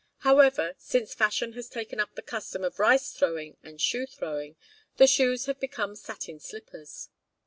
However, since fashion has taken up the custom of rice throwing and shoe throwing, the shoes have become satin slippers.